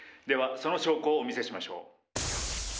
ではその証拠をお見せしましょう。